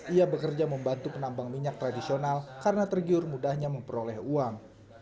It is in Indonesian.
ia bekerja membantu penambang minyak tradisional karena tergiur mudahnya memperoleh uang